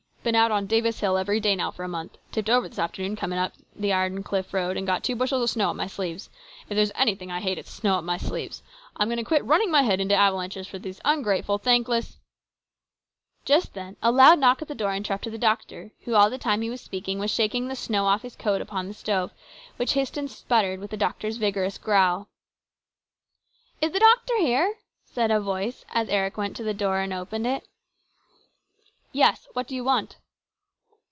Been out on Davis hill every day now for a month. Tipped over this afternoon coming down the Iron Cliff road and got two bushels of snow up my sleeves. If there is anything I hate, it's snow up my sleeves. I'm going to quit running my head into avalanches for these ungrateful, thankless " Just then a loud knock at the door interrupted the doctor, who all the time he was speaking was shaking the snow off his coat upon the stove, which hissed and sputtered with the doctor's vigorous growl. COMPLICATIONS. 207 " Is the doctor here ?" said a voice as Eric went to the door and opened it. " Yes ; what do you want